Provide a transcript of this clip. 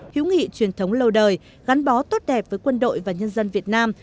hữu nghị truyền thống lâu đời gắn bó tốt đẹp với quân đội và nhân dân việt nam